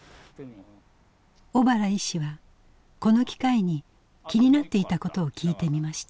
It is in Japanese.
小原医師はこの機会に気になっていたことを聞いてみました。